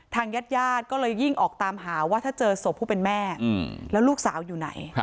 ญาติญาติก็เลยยิ่งออกตามหาว่าถ้าเจอศพผู้เป็นแม่แล้วลูกสาวอยู่ไหน